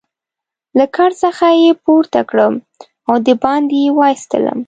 له کټ څخه يې پورته کړم او دباندې يې وایستلم.